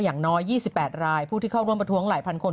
อย่างน้อย๒๘รายผู้ที่เข้าร่วมประท้วงหลายพันคน